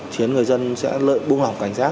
khiến người dân sẽ lợi buông lỏng cảnh giác